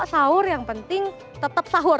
sahur yang penting tetap sahur